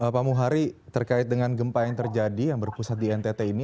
pak muhari terkait dengan gempa yang terjadi yang berpusat di ntt ini